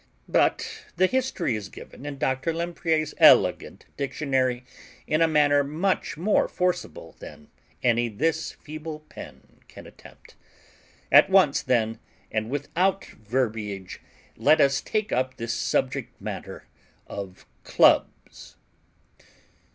But the history is given in Dr. Lempriere's elegant dictionary in a manner much more forcible than any this feeble pen can attempt. At once, then, and without verbiage, let us take up this subject matter of Clubs.